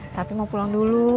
tapi mau pulang dulu